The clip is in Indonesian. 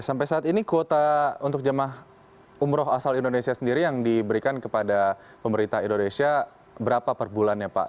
sampai saat ini kuota untuk jemaah umroh asal indonesia sendiri yang diberikan kepada pemerintah indonesia berapa per bulannya pak